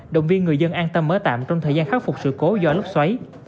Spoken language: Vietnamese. động viên người dân an tâm ở tạm trong thời gian khắc phục sự cố do lóc xoáy